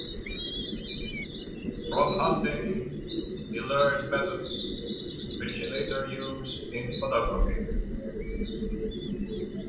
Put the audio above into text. From hunting, he learned methods which he later used in photography.